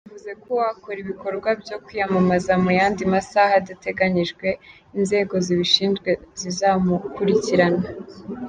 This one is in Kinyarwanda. Bivuze ko uwakora ibikorwa byo kwiyamamaza mu yandi masaha adateganyijwe, inzego zibishinzwe zizamukurikirana.